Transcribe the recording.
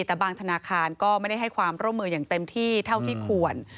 แต่บางธนาคารก็ไม่ได้ให้ความร่มืออย่างเท่าที่ขวน